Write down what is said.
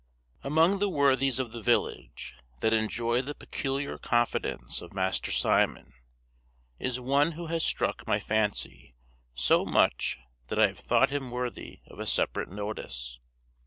Among the worthies of the village, that enjoy the peculiar confidence of Master Simon, is one who has struck my fancy so much that I have thought him worthy of a separate notice.